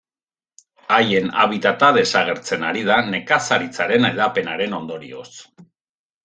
Haien habitata desagertzen ari da, nekazaritzaren hedapenaren ondorioz.